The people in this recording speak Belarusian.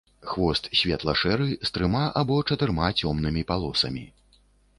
Хвост светла-шэры, з трыма або чатырма цёмнымі палосамі.